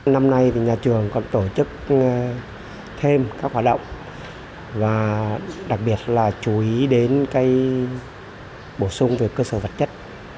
năm nay nhà trường còn tổ chức thêm các hoạt động và đặc biệt là chú ý đến bổ sung về cơ sở vật chất